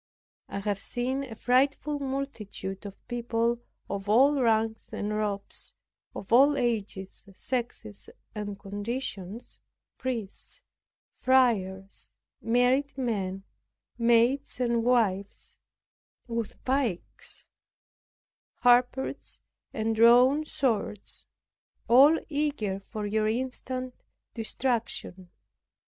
I have seen a frightful multitude of people of all ranks and robes, of all ages, sexes and conditions, priests, friars, married men, maids and wives, with pikes, halberts and drawn swords, all eager for your instant destruction.